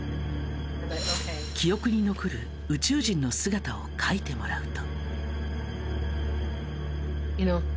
記憶に残る宇宙人の姿を描いてもらうと。